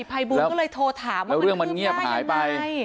ภัยบูลก็เลยโทรถามว่ามันขึ้นได้ยังไงแล้วเรื่องมันเงียบหายไป